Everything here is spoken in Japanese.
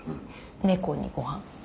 猫にごはん。